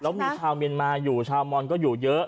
แล้วมีชาวเมียนมาอยู่ชาวมอนก็อยู่เยอะ